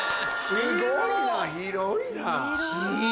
すごいな広いな！